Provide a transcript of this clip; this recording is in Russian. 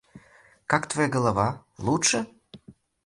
Как твоя голова, лучше?